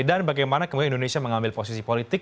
dan bagaimana kemudian indonesia mengambil posisi politik